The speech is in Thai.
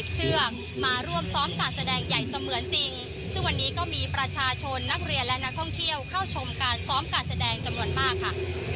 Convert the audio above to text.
ซึ่งวันนี้ก็มีประชาชนนักเรียนและนักท่องเที่ยวเข้าชมการซ้อมการแสดงจำนวนมากค่ะ